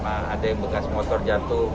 ada yang bekas motor jatuh